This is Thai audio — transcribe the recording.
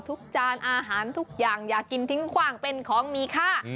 จานอาหารทุกอย่างอยากกินทิ้งคว่างเป็นของมีค่า